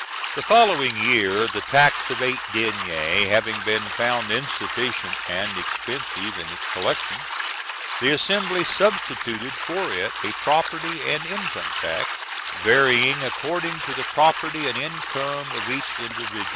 The following year, the tax of eight deniers having been found insufficient and expensive in its collection, the assembly substituted for it a property and income tax, varying according to the property and income of each individual.